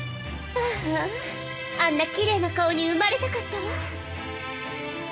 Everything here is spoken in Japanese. あああんなきれいな顔に生まれたかったわ。